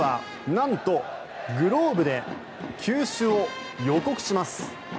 なんと、グローブで球種を予告します。